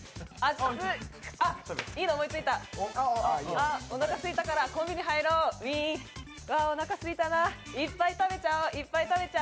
ああ、おなかすいたからコンビニ入ろう、ウィーン。わ、おなかすいたな、いっぱい食べちゃお。